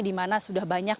di mana sudah banyak